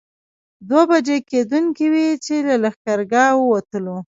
دوه بجې کېدونکې وې چې له لښکرګاه ووتلو.